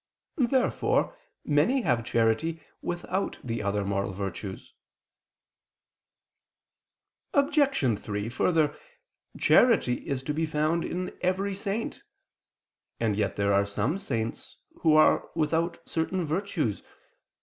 Therefore many have charity without the other virtues. Obj. 3: Further, charity is to be found in every saint: and yet there are some saints who are without certain virtues.